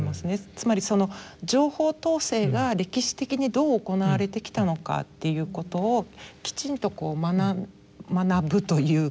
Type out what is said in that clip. つまりその情報統制が歴史的にどう行われてきたのかっていうことをきちんと学ぶというか。